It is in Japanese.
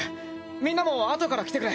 みんなもあとから来てくれ。